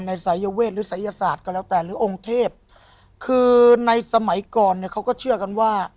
สายเวทหรือศัยศาสตร์ก็แล้วแต่หรือองค์เทพคือในสมัยก่อนเนี่ยเขาก็เชื่อกันว่า